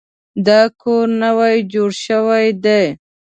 دا کور نوی جوړ شوی دی